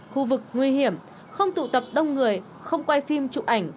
khu vực nguy hiểm không tụ tập đông người không quay phim trụ ảnh